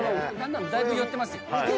だいぶ寄ってますよ。